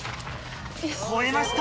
越えました！